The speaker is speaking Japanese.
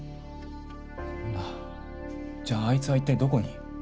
そんなじゃああいつは一体どこに。